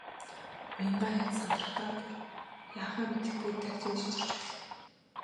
Уянгаа айж сандрахдаа бүр яахаа мэдэхгүй дагжин чичирч байлаа.